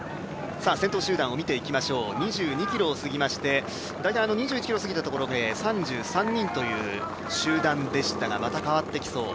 先頭集団を見ていきましょう２２ｋｍを過ぎましてだいたい、２１ｋｍを過ぎたところで３３人という集団でしたがまた変わってきそう。